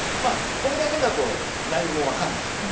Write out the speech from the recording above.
これだけだと何にも分かんないじゃない。